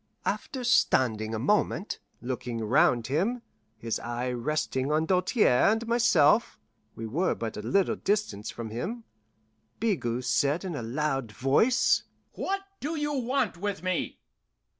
After standing for a moment, looking round him, his eye resting on Doltaire and myself (we were but a little distance from him), Bigot said in a loud voice: "What do you want with me?